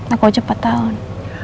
aku ucap empat tahun